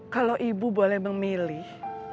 kalo ibu boleh memilih